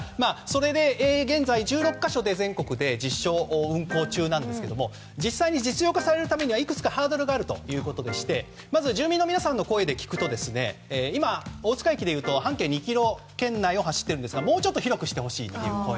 現在、１６か所全国で実証運行中なんですけど実際に実用化されるにはいくつかハードルがあるということでまず住民の皆さんの声で聞くと今、大塚駅でいうと半径２ｋｍ圏内を走っているんですがもうちょっと広くしてほしいという声。